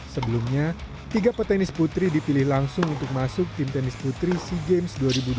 sebelumnya tiga petenis putri dipilih langsung untuk masuk tim tenis putri sea games dua ribu dua puluh